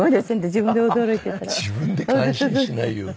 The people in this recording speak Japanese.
自分で感心しないように。